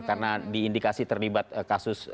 karena diindikasi terlibat kasus